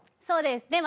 そうです。